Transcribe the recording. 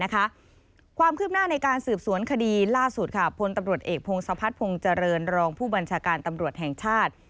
ความคืบหน้าในการสืบสวนคดีล่าสุดพลตำรวจเอกพงศพัฒนภงเจริญรองผู้บัญชาการตำรวจแห่งชาติ